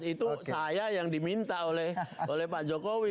itu saya yang diminta oleh pak jokowi